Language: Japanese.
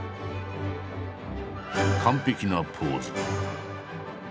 完璧なポーズ。